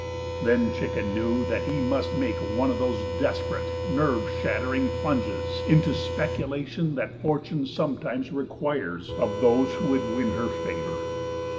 Then Chicken knew that he must make one of those desperate, nerve shattering plunges into speculation that fortune sometimes requires of those who would win her favour.